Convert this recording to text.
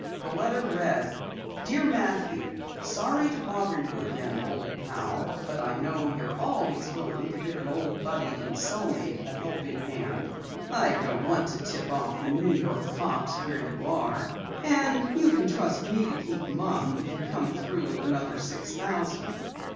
The letter read: Dear Matthew: Sorry to bother you again, Old Pal, but I know you're always willing to give an old buddy and cellmate a helping hand. I don't want to tip off the New York cops where you are, and you can trust me to keep mum if you come through with another six thousand.